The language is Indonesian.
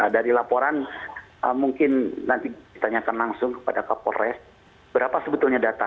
dari laporan mungkin nanti ditanyakan langsung kepada kapolres berapa sebetulnya data